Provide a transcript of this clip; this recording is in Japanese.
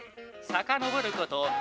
さかのぼること